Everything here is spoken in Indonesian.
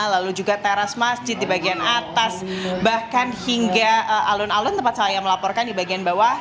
lalu juga teras masjid di bagian atas bahkan hingga alun alun tempat saya melaporkan di bagian bawah